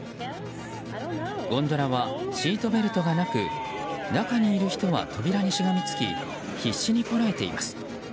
ゴンドラはシートベルトがなく中にいる人は扉にしがみつき必死にこらえています。